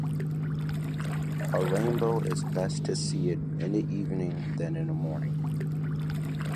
A rainbow is best to see it in the evening than in the morning.